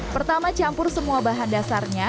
pertama campur semua bahan dasarnya